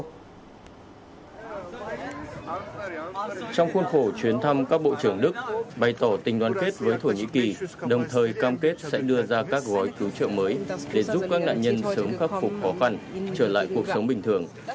trong khuôn khổ chuyến thăm các bộ trưởng đức bày tỏ tình đoàn kết với thổ nhĩ kỳ đồng thời cam kết sẽ đưa ra các gói cứu trợ mới để giúp các nạn nhân sớm khắc phục khó khăn trở lại cuộc sống bình thường